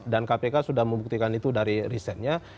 dan kpk sudah membuktikan itu dari recentnya